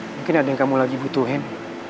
mungkin ada yang kamu lagi butuhin